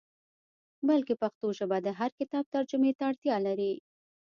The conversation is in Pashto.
بلکې پښتو ژبه د هر کتاب ترجمې ته اړتیا لري.